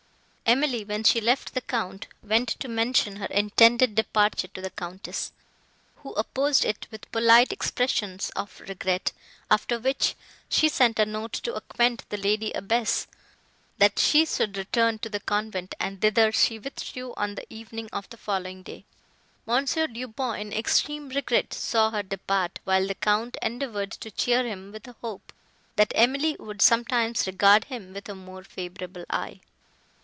Emily, when she left the Count, went to mention her intended departure to the Countess, who opposed it with polite expressions of regret; after which, she sent a note to acquaint the lady abbess, that she should return to the convent; and thither she withdrew on the evening of the following day. M. Du Pont, in extreme regret, saw her depart, while the Count endeavoured to cheer him with a hope, that Emily would sometimes regard him with a more favourable eye.